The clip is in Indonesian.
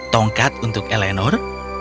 tongkat untuk elenor